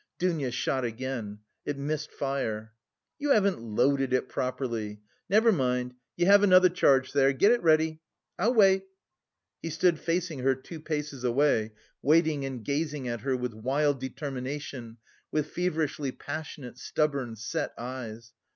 Dounia shot again: it missed fire. "You haven't loaded it properly. Never mind, you have another charge there. Get it ready, I'll wait." He stood facing her, two paces away, waiting and gazing at her with wild determination, with feverishly passionate, stubborn, set eyes.